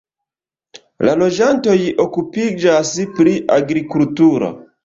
La loĝantoj okupiĝas pri agrikulturo.